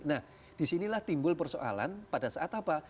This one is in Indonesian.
nah disinilah timbul persoalan pada saat apa